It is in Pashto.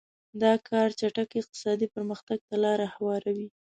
دا کار چټک اقتصادي پرمختګ ته لار هواروي.